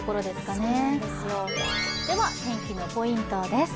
では、天気のポイントです。